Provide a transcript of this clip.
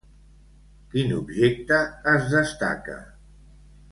Quin objecte es destaca?